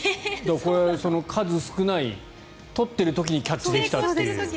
これ、数少ない撮っている時にキャッチできたという。